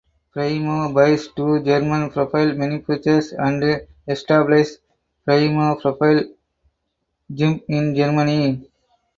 Primo buys two German profile manufacturers and establishes Primo Profile GmbH in Germany.